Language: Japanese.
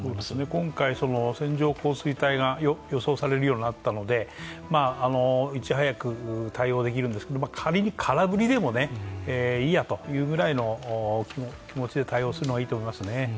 今回線状降水帯が予想されるようになったので、いち早く対応できるんですけれども仮に空振りでもいいやというくらいの気持ちで対応するのがいいと思いますね。